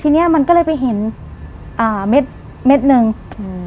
เนี้ยมันก็เลยไปเห็นอ่าเม็ดเม็ดหนึ่งอืม